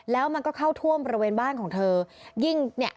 แล้วมันก็เข้าท่วมบริเวณบ้านของเธอยิ่งเนี่ย